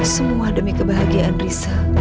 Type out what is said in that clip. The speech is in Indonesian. semua demi kebahagiaan rizal